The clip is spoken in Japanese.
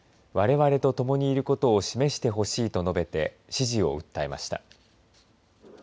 われわれとともにいることを示してほしいと述べて支持を訴えました。